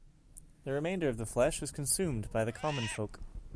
The remainder of the flesh is consumed by the common folk.